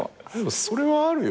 それはあるよ。